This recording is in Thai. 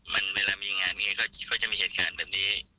มันเวลามีงานอย่างนี้ก็จะมีเหตุการณ์แบบนี้